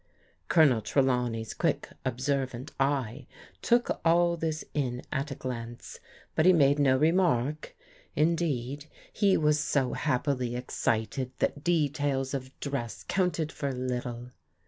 Colonel Trelawney's quick, observant eye took all this in at a glance, but he made no remark. Indeed, he was so happily excited that details of dress counted for little.